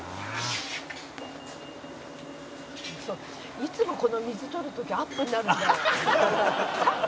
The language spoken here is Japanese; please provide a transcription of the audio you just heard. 「いつもこの水撮る時アップになるんだよ」